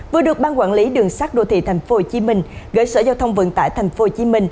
vừa được ban quản lý đường sát đô thị tp hcm gửi sở giao thông vận tải tp hcm